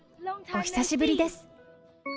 お久しぶりです。